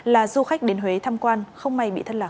là du khách đến huế tham quan không may bị thất lạc